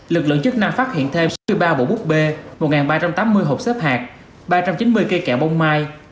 lực lượng chức năng phát hiện thêm sáu mươi ba bộ bút bê một ba trăm tám mươi hộp xếp hạt ba trăm chín mươi cây kẹo bông mai